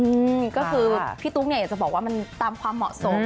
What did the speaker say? อืมก็คือพี่ตุ๊กเนี่ยอยากจะบอกว่ามันตามความเหมาะสม